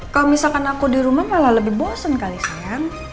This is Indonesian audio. kalau misalkan aku di rumah malah lebih bosen kali sayang